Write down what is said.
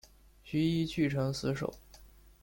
徐揖据城死守。